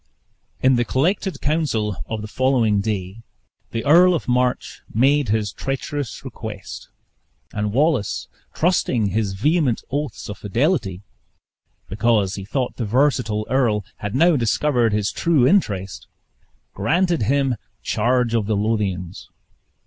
In the collected council of the following day, the Earl of March made his treacherous request; and Wallace, trusting his vehement oaths of fidelity (because he thought the versatile earl had now discovered his true interest), granted him charge of the Lothians.